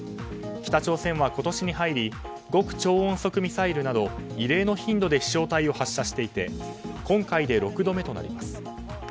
北朝鮮は今年に入り極超音速ミサイルなど異例の頻度で飛翔体を発射していて今回で６度目となります。